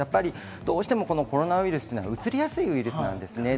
どうしてもコロナウイルスっていうのは、うつりやすいウイルスなんですね。